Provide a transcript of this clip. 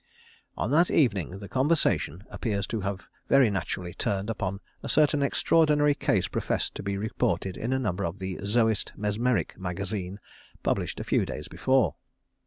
On that evening the conversation appears to have very naturally turned upon a certain extraordinary case professed to be reported in a number of the "Zoist Mesmeric Magazine," published a few days before.